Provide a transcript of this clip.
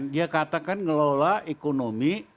dia katakan ngelola ekonomi